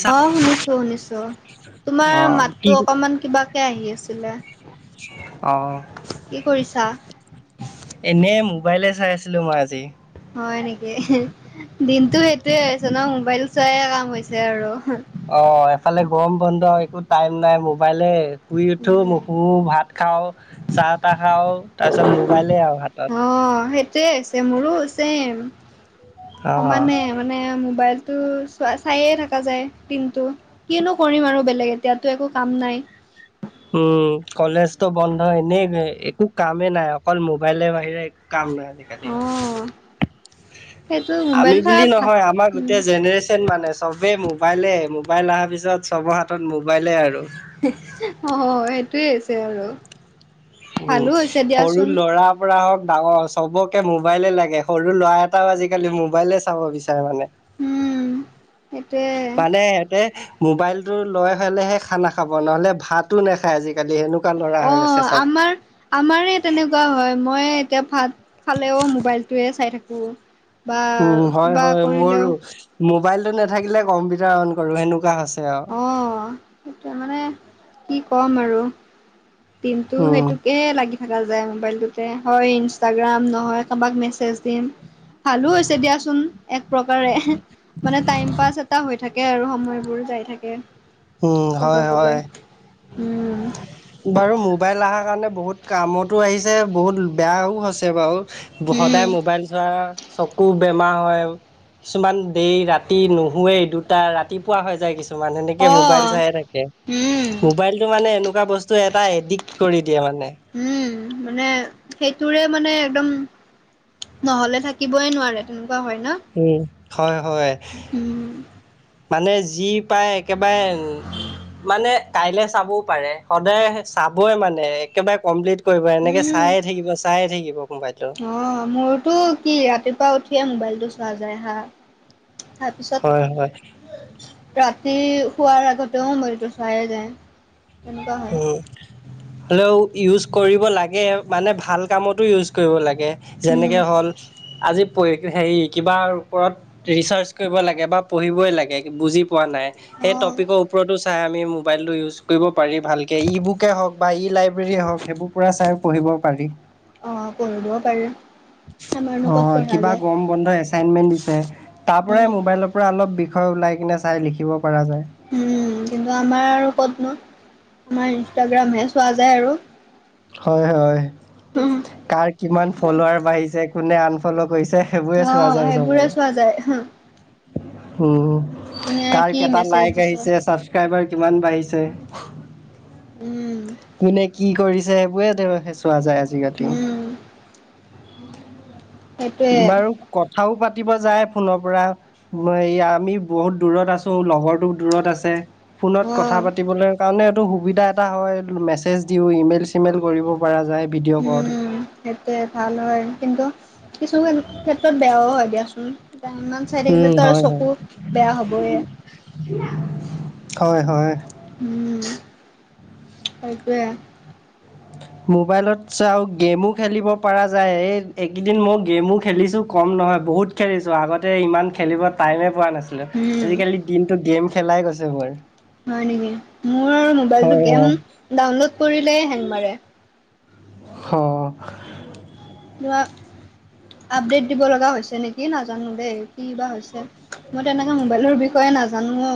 অ, শুনিছো-শুনিছো, তোমাৰ অ', মাতটো অকণমান কিবাকে আহি আছিলে। অহ ', কি কৰিছা? এনে মোবাইলে চাই আছিলো মই আজি। হয় নেকি? দিনটো সেইটোৱে হৈছে ন মোবাইল চোৱাই কাম হৈছে আৰু হু। অ, এফালে গৰম বন্ধ একো টাইম নাই মোবাইলে শুই উঠো উম মশু ভাত খাও চাহ তাহ খাও তাৰ পিছত মোবাইলে আৰু। হাতত অ, সেইটোৱে হৈছে মোৰো চেম, অ। সমানে। মানে মোবাইলতটো চোৱা চাইে থকা যায় দিনটো। কিনো কৰিম আৰু বেলেগ এতিয়াতো একো কাম নাই। উম, কলেজতো বন্ধ এনেই একো কামেই নাই অকল মোবাইলে বাহিৰে একো কাম নাই। অ সেইটো আমি মোবাইল থকা বুলি ভাল নহয় আমাৰ উম গোটেই জেনেৰেচন মানে চবেই মোবাইলে মোবাইল অহাৰ পিছত চবৰ হাতত মোবাইলে আৰু অ, সেইটোৱে হৈছে আৰু। উম, ভালো হৈছে সৰু দিয়াচোন ল'ৰা। পৰা হক ডাঙৰ চবকে মোবাইলে লাগে সৰু ল'ৰা এটাও আজিকালি মোবাইলে চাব বিচাৰে মানে। উম। সেইটোৱে মানে সিহঁতে মোবাইলটো লৈ হ'লেহে খানা খাব। নহ'লে ভাতো নাখায় আজি-কালি হেনো। অ আমাৰ আমাৰ এ তেনেকুৱা হয় মই এতিয়া ভাত ফালেও মোবাইলটোৱে চাই থাকো। উম, হয় - হয় মোৰো মোবাইল তো নাথাকিলে কম্পিউটাৰ অন কৰো সেনেকুৱা হৈছে আৰু। অ, সেইটোৱে মানে কি ক'ম আৰু দিনটো উম। সেইটো। একে লাগি থকা যায় মোবাইলটোতে হয় ইনষ্টাগ্ৰাম নহয় কাৰোবাক মেছেজ দিম। ভালো হৈছে দিয়াচোন এক প্ৰকাৰে। মানে টাইম পাছ এটা হৈ থাকে আৰু সময়বোৰ যাই থাকে। উম, হয়, ক'ব গলে, হয়। উম। বাৰু মোবাইল আহাৰ কাৰণে বহুত কামতো আহিছে, বহুত বেয়াও হৈছে বাৰু। উম, সদায় মোবাইল চোৱা, চকু বে বেমাৰ হয়। কিছুমান দেৰি ৰাতি নুশোৱেই, দুটা ৰাতিপুৱা হৈ যায় কিছুমান সেনে মোবাইল অ', চাই থাকে। উম। মোবাইলটো মানে এনেকুৱা বস্তু এটা এডিক্ট কৰি দিয়ে মানে। উম মানে সেইটোৰে মানে একদম নহ'লে থাকিবই নোৱাৰে তেনেকুৱা হয় ন? উম হয়, হয়। উম মানুহে যি পায় একেবাৰে মানে কাইলে চাবও পাৰে, সদায় চাবই মানে একেবাৰে কমপ্লিট কৰিব এনেকে চায়ে উম থাকিব চায়ে থাকিব মবাইলটো। অ মোৰতো কি ৰাতিপুৱা উঠিয়ে মোবাইলটো চোৱা যায় হা। তাৰ হয় হয় পিছত ৰাতি শোৱাৰ আগতেও মবাইলটো চোৱায়ে যায়। তেনেকুৱা হয় উম। হ'লেও ইউজ কৰিব লাগে। মানে ভাল কামতো ইউজ কৰিব লাগে। উম যেনেকে হ'ল আজি প হেৰি কিবা ওপৰত ৰিচাৰ্চ কৰিব লাগে বা পঢ়িবই লাগে বুজি পোৱা নাই, অ সেই টপিকৰ ওপৰতো চাই আমি মোবাইলটো ইউজ কৰিব পাৰি ভালকে ই বুকে হওঁক বা ই লাইব্ৰেৰীয়ে হওঁক সেইবোৰ পৰা চাই পঢ়িব পাৰি। অ পঢ়িবও পাৰি। আমাৰনো অ ক'ত পঢ়া কিবা যায় গৰম বন্ধ এচাইনমেন্ট দিছে তাৰ উম পৰাই মোবাইলৰ পৰা অলপ বিষয় ওলাই কিনে চাই লিখিব পৰা যায়। উম কিন্তু আমাৰ আৰু ক'তনো? আমাৰ ইনষ্টাগ্ৰামহে চোৱা যায় আৰু। হয়, হয়। কাৰ কিমান ফলোৱাৰ বাঢ়িছে, কোনে আনফল' কৰিছে সেইবোৰে অ চোৱা যায় চব সেইবোৰে আৰু চোৱা যায় উম। কোনে কাৰ কি কেইটা মেছেজ লাইক দিছে আহিছে, চাবছক্ৰাইবাৰ কিমান বাঢ়িছে উম। কোনে কি কৰিছে সেইবোৰে তেঁওলোকে চোৱা যায় আজি উম। সেইটোৱে বাৰু কথাও পাতিব যায় ফোনৰ পৰা। এ আমি বহুত দূৰত আছো লগৰটো দূৰত আছে, ফোনত কথা অ', পাতিবলে কাৰণে এইটো সুবিধা এটা হয়। মেছেজ দিওঁ, ইমেইল-চিমেইল কৰিব পৰা যায়। ভিডিঅ' কল উম, সেইটোৱে ভাল হয় কিন্তু কিছুমান ক্ষেত্ৰত বেয়াও হয় দিয়াচোন। ইমান চাই উম থাকিলেটো আৰু হয় হয় চকু বেয়া হ'বই। হয়, হয়। উম, সেইটোৱে। মোবাইলত চাও, গেমো খেলিব পৰা যায়। এই এইকেইদিন মই গেমো খেলিছোঁ। কম নহয় বহুত খেলিছো। আগতে ইমান খেলিব টাইমে পোৱা নাছিল উম, আজি-কালি দিনটোত গেম খেলাই গৈছে মোৰ। হয় নেকি? মোৰ মবাইলটোত হয় গেম হয় ডাউনলোড কৰিলেই হেং মাৰে। হঅ। আপডেট দিব লগা হৈছে নেকি, নাজানো দেই। কি বা হৈছে? মই তেনেকৈ মোবাইলৰ বিষয়ে নাজানোও।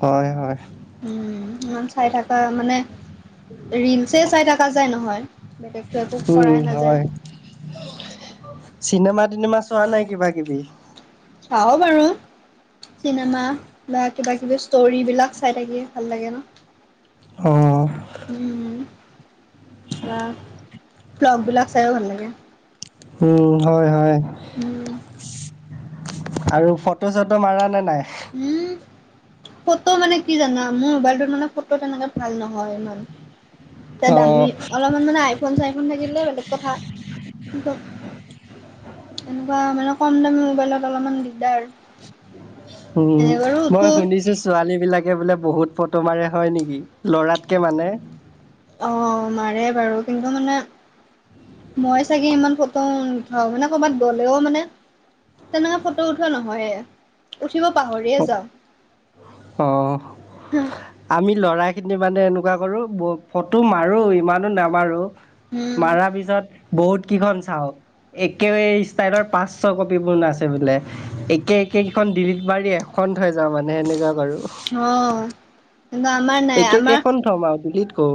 হয়, হয়। উম ইমান চাই থকা মানে ৰিলছেই চাই থকা যায় নহয়, বেলেগটো একো কৰাই নাযায়। চিনেমা-টিনেমা চোৱা নাই কিবা কিবি? চাও বাৰু চিনেমা বাত' কিবা কিবি ষ্টৰিবিলাক চাই থাকিয় ভাল লাগে ন। অঁ উম বা ফ্লগ বিলাক চাইও ভাল লাগে। উম হয় হয়। উম! আৰু ফটো চটো মাৰা নে নাই? উম! ফটো মানে কি জানা, মোৰ মোবাইলটোত মানে ফটো তেনেকে ভাল নহয় ইমান। এ অঁ দামী অলপমান মানে আইফোন চাইফোন থাকিলে বেলেগ কথা এনেকুৱা মানে কম দামি মোবাইলত অলপমান দিগদাৰ। উম এনে বাৰু মই উঠো শুনিছোঁ ছোৱালী বিলাকে বোলে বহুত ফটো মাৰে হয় নেকি? লৰাতকে মানে। অ মাৰে বাৰু, কিন্তু মানে মই চাগে ইমান ফটো নুথাও, মানে কৰ'বাত গ'লেও মানে তেনেকে ফটো উঠোৱা নহয়ে। উঠিব পাহৰি হ, হ। আমি ল'ৰাখিনি মানে এনেকুৱা কৰোঁ, ফটো মাৰোঁ, ইমানো নামাৰোঁ। উম মাৰাৰ পিছত বহুত কিখন চাওঁ। একে ষ্টাইলৰ পাঁচ ছ কপি বন আছে বোলে, একে একে কেইখন দিলিট মাৰী খন হৈ যাওঁ মানে সেনেকুৱা কৰু। অ কিন্তু আমাৰ নাই একে আমাৰ কেখন থম আৰু দিল্লট কোও।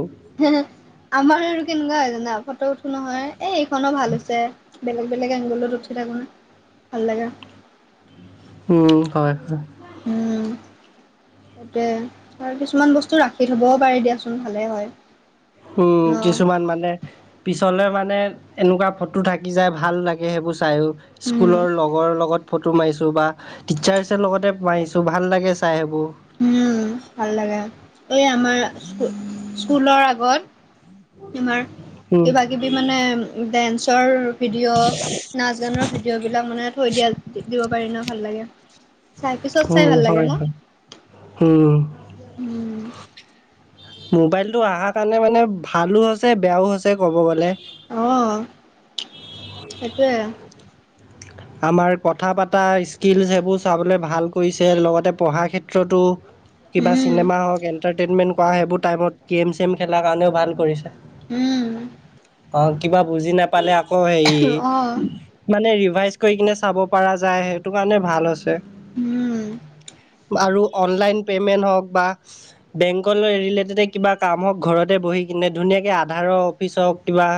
আমাৰ আৰু কেনেকুৱা হয় জানা? ফটো উঠো নহয় এ এইখনো ভাল হৈছে, বেলেগ বেলেগ এংগলত উঠি থাকোঁ না ভাল লাগে। হুম হয় হয়। তাকে আৰু কিছুমান বস্তু ৰাখি থ'বও পাৰে দিয়াচোন, ভালে হয়। হুম ন। কিছুমান মানে পিছলৈ মানে' এনেকুৱা ফটো থাকি যায় ভাল লাগে সেইবোৰ চায়ো। উম স্কুলৰ লগৰ লগত ফটো মাৰিছো বা, টিচাৰ্চ লগতে মাৰিছো ভাল লাগে চাই সেইবোৰ। উম ভাল লাগে। এই আমাৰ স্কুলৰ আগত, তোমাৰ উম কিবা কিবি মানে ডেন্সৰ ভিডিঅ' নাচ গানৰ ভিডিঅ' বিলাক মানে থৈ দিয়া দিব পাৰি ন, ভাল লাগে। চাই পিছত চাই ভাল লাগে ন? হুম, উম মোবাইলটো অহাৰ কাৰণে মানে ভালো হৈছে, বেয়াও হৈছে, ক'ব গ'লে। অ সেইটোৱে আমাৰ কথা পতা স্কিলছ সেইবোৰ চাবলে ভাল কৰিছে লগতে পঢ়াৰ ক্ষেত্ৰতো কিবা উম চিনেমা হওক এটাৰটেইনমেন্ট কৰা সেইবোৰ টাইমত গেম চেম খেলাৰ কাৰণেও ভাল কৰিছে উম অ কিবা বুজি নাপালে আকৌ হেৰি অ মানে ৰিভাইজ কৰি কিনে চাব পৰা যায়, সেইটো কাৰণে ভাল আছে। উম আৰু অনলাইন পেমেন্ট হওঁক বা, বেংকলৈ ৰিলেটেডে কিবা কাম হওঁক, ঘৰতে বহি কিনে ধুনীয়াকে আধাৰৰ অফিচ হওক কিবা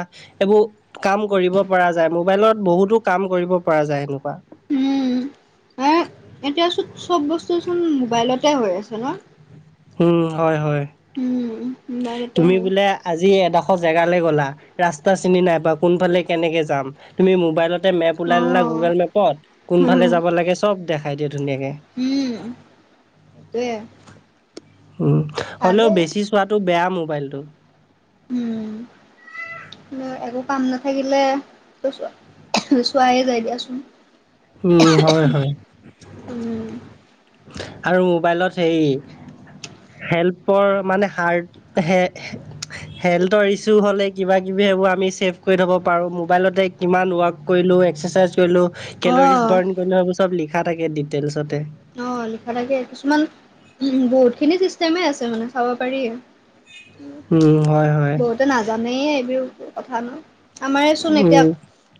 এইবোৰ কাম কৰিব পৰা যায়, মোবাইলত বহুতো কাম কৰিব পৰা যায় সেনেকুৱা। উম আৰু এতিয়া চোন চব বস্তুচোন মোবাইলতে হৈ আছে ন উম হয় হয় উম মোবাইলতে তুমি হয় বোলে আজি এডখৰ জেগালে গ'লা ৰাস্তা চিনি নাই পোৱা কোনফালে কেনেকে যাম তুমি মোবাইলত তে মেপ অ উলাই ললা গুগল মেপত কোনফালে উম যাব লাগে চব দেখাই দিয়ে ধুনীয়াকে উম সেইটোৱে উম হ'লেও ভালে বেছি চোৱাটো বেয়া মোবাইলটো উম উম একো কাম নাথাকিলে এ চোৱা চোৱাই যায় দিয়াচোন উম হয় হয় উম, আৰু মোবাইলত সেই হেল্পৰ মানে হাৰ্ট হে হে হেলটৰ ইছু হলে কিবা কিবি সেইবোৰ আমি চেভ কৰি থব পাৰো মবাইল কিমান ৱাক কৰিলো এক্সাৰচাইজ কৰিলো কলৰীচ অ', ড্ৰন কৰিলো এইবোৰ চব লিখা থাকে ডিটেলছতে অ লিখা থাকে কিছুমান বহুতখিনি চিষ্টেমে আছে মানে চাব পাৰি উম হয় হয় বহুতে নাজানেই এইবোৰ কথা ন আমাৰেচোন উম এতিয়াক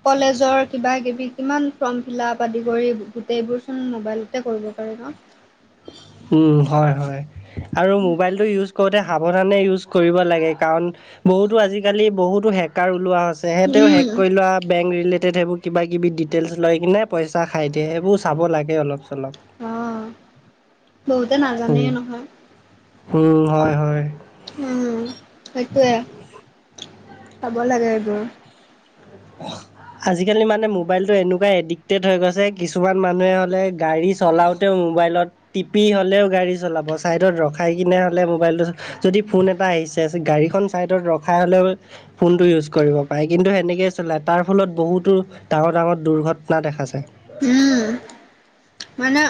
কলেজৰ কিবা কিবি কিমান ফৰ্ম ফিলাপ আদি কৰি গোটেইবোৰ চোন মোবাইল তে কৰিব পাৰে ন। উম, হয়, হয় আৰু মোবাইলটো ইউজ। কৰোতে সাৱধানে ইউজ কৰিব লাগে কাৰণ বহুতো আজিকালি বহুতো হেকাৰ ওলোৱা হৈছে। তেহেতেও উম, হেক কৰি লোৱা বেংক ৰিলেটেড সেইবোৰ কিব কিবি ডিটেইলছ লৈ কিনে পইচা খাই দিয়ে সেইবোৰ চাব লাগে অলপ চলপ অ বহুতে নাজানেই নহয় উ হয় হয় উম সেইটোৱে চাব লাগে এইবোৰ [unintelligible] আজিকালি মানে মোবাইলটো এনেকুৱা এডিক্টেড হৈ গৈছে কিছুমান মানুহে হলে গাড়ী চলাও তেউ মোবাইলত টিপি হ'লেও গাড়ী চলাব চাইডত ৰখাই কিনে হ'লে মোবাইলটো যদি ফোন এটা আহিছে গাড়ীখন চাইডত ৰখাই হলেও ফোন টো ইউজ কৰিব পাৰে কিন্তু সেনেকে। চলাই তাৰ ফলত বহুতো ডাঙৰ ডাঙৰ দুৰ্ঘটনা দেখা যায়। উম, [unintelligible] মানে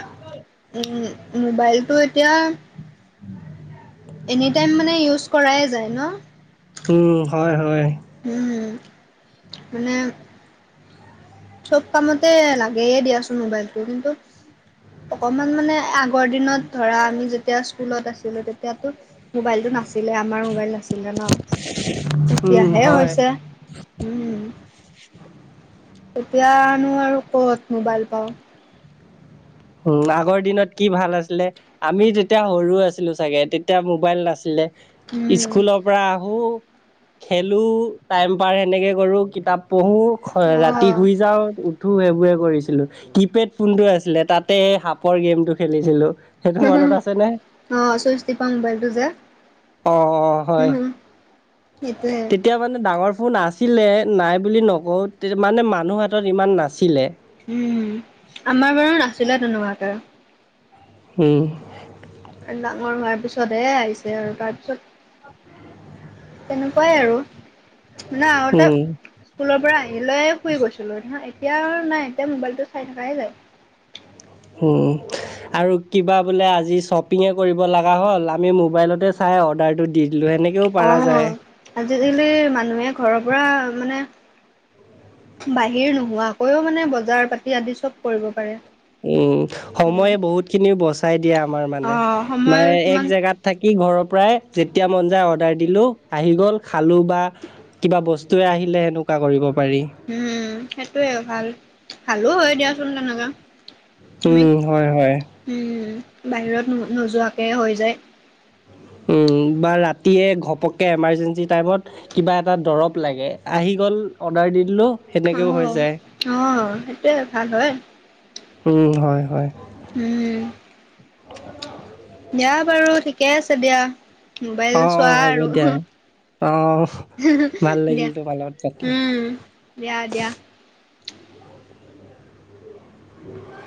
উম মোবাইলটো এতিয়া। এনি টাইম মানে ইউজ কৰাই যায় ন। উম, হয়, হয়। উম, মানে। চব কামতে লাগেই দিয়াচোন মোবাইলটো কিন্তু। অকমান মানে আগৰ দিনত ধৰা আমি যেতিয়া স্কুলত আছিলো তেতিয়াতো। মোবাইলটো নাছিলে আমাৰ মোবাইল নাছিলে ন উম এতিয়াহে হয় হৈছে। উম। তেতিয়া নো আৰু কত মোবাইল পাওঁ। উম আগৰ দিনত। কি ভাল আছিলে আমি যেতিয়া সৰু আছিলো চাগে তেতিয়া মোবাইল নাছিলে। উম, স্কুলৰ পৰা আহোঁ। খেলো টাইম পাৰ সেনেকে কৰো কিতাপ পঢ়ো খ ৰাতি অ', শুই যাওঁ। টো সেইবোৰে কৰিছিলো কিপেড ফোনটো আছিলে তাতে সাপৰ গেমটো খেলিছিলো। সেইটো মনত আছে নে? অ চুইচ টিপা মোবাইলটো যে। অ, অ, হয়। সেইটোয়ে। তেতিয়া মানে ডাঙৰ ফোন আছিলে নাই বুলি নকওঁ তেতে মানে মানুহ হাতত ইমান নাছিলে। উম আমাৰ বাৰু নাছিলে তেনেকুৱাকে হুম। ডাঙৰ হোৱাৰ পিছতহে আহিছে আৰু তাৰপিছত। [unintelligible] তেনেকুৱাই আৰু মানে আগতে। উম। স্কুলৰ পৰা আহি লৈৱে শুই গৈছিলোঁ না এতিয়াও নাই এতিয়া মোবাইলটো চাই থকাই যায়। উম। আৰু কিবা বোলে আজি শ্বপিংঙে কৰিব লাগা হ'ল আমি মোবাইলতে চাই অৰ্ডাৰটো দি দিলো হেনেক অ আজিকালি মানুহে ঘৰৰ পৰা মানে। বাহিৰ নোহোৱাকৈও মানে বজাৰ পাতি আদি চব কৰিব পাৰে। উম উম, সময়ে বহুত খিনি বচাই দিয়ে আমাৰ মানে অ' সময় মানে এক কিমান জেগাত। থাকি ঘৰৰ পৰাই যেতিয়া মন যায় অৰ্ডাৰ দিলো আহি গ'ল খালো বা কিবা বস্তুৱে আহিলে সেনেকুৱা কৰিব পাৰি। উম সেইটোয়ে ভাল ভালো হয় দিয়াচোন তেনেকা। তুমি উম, হয়, হয়। উম বাহিৰত নো নোযোৱাকে হৈ যায়। উম বা ৰাতিয়ে ঘপককে এমাৰ্জেঞ্চি টাইমত। কিবা এটা দৰৱ লাগে। আহি গ'ল অৰ্ডাৰ দি দিলোঁ অঁ, অঁ সেইটোৱে ভাল হ'য়। উম, হ'য় হ'য়। হুঁম। দিয়া বাৰু ঠিকে আছে দিয়া অ', মোবাইল চোৱা অ', হ'ব আৰু। দিয়া অ', ভাল লাগিল দিয়া তোমাৰ লগত পাতি। উম দিয়া দিয়া। [unintelligible]